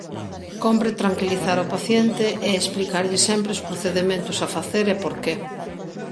Cómpre tranquilizar ao paciente e explicarlle sempre os procedementos a facer e por que.